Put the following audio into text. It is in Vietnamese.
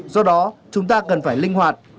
do đó chúng ta cần phải linh hoạt